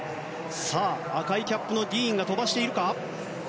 赤いキャップのディーンが飛ばしているか。